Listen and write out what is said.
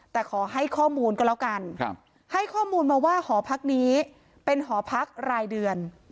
แต่ขอให้ข้อมูลก็แล้วกันให้ข้อมูลมาว่าหอพักนี้เป็นหอพักรายเดือน